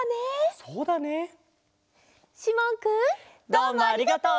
どうもありがとう。